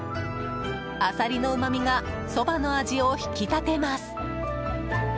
アサリのうまみがそばの味を引き立てます。